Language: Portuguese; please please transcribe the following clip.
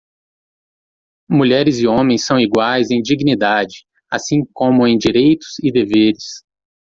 Mulheres e homens são iguais em dignidade, assim como em direitos e deveres.